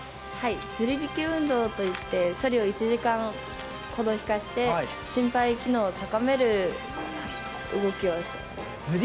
ずりびき運動といってそりを１時間ほど引かせて心肺機能を高める動きをしています。